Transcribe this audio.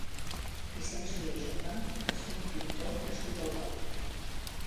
Vicenç Solé-Jorba va ser un pintor nascut a Olot.